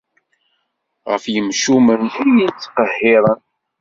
Ɣef yimcumen i yi-ittqehhiren.